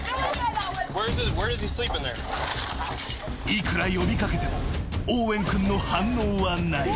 ［いくら呼び掛けてもオーウェン君の反応はない］